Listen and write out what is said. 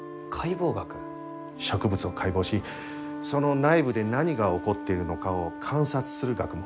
植物を解剖しその内部で何が起こっているのかを観察する学問だ。